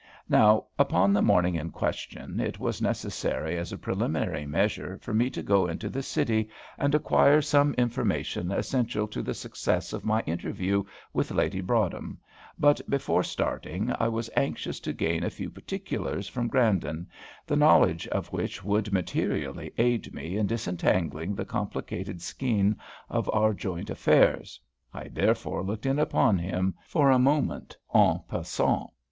Now, upon the morning in question it was necessary as a preliminary measure for me to go into the City and acquire some information essential to the success of my interview with Lady Broadhem, but before starting I was anxious to gain a few particulars from Grandon, the knowledge of which would materially aid me in disentangling the complicated skein of our joint affairs. I therefore looked in upon him for a moment en passant.